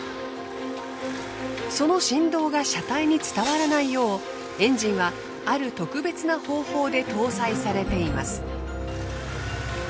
その振動が車体に伝わらないようエンジンはある特別な方法で搭載されています。